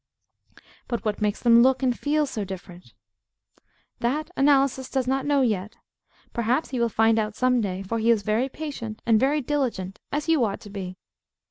But what makes them look and feel so different? That Analysis does not know yet. Perhaps he will find out some day; for he is very patient, and very diligent, as you ought to be.